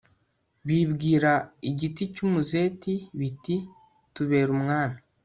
bibwira igiti cy'umuzeti, biti 'tubere umwami